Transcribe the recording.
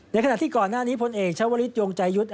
ในขณะที่ก่อนหน้านี้พลนต์เอกชวริตยงจัยยุทธ์